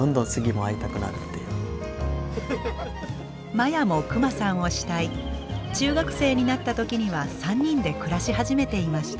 マヤもクマさんを慕い中学生になった時には３人で暮らし始めていました。